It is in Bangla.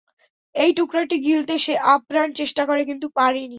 এই টুকরাটি গিলতে সে আপ্রাণ চেষ্টা করে কিন্তু পারেনি।